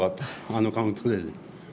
あのカウントで。